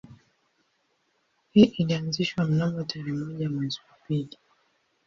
Hii ilianzishwa mnamo tarehe moja mwezi wa pili